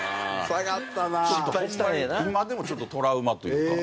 ホンマに今でもちょっとトラウマというか。